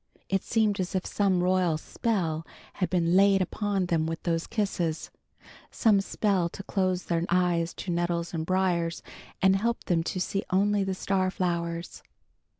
It seemed as if some royal spell had been laid upon them with those kisses; some spell to close their eyes to nettles and briars, and help them to see only the star flowers.